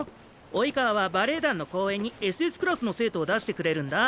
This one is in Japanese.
「生川」はバレエ団の公演にＳＳクラスの生徒を出してくれるんだ。